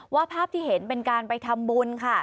ภาพที่เห็นเป็นการไปทำบุญค่ะ